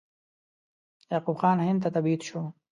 یعقوب خان هند ته تبعید شو.